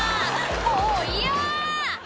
「もう嫌！」